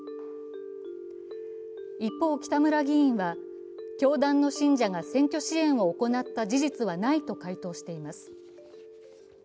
一方、北村議員は、教団の信者が選挙支援を行った事実はないと回答しています。